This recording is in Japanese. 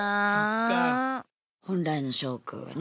本来のショウくんはね